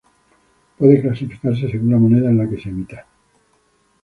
Puede clasificarse según la moneda en la que se emita.